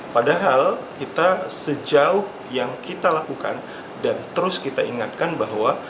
padahal kita sejauh yang kita lakukan dan terus kita ingatkan bahwa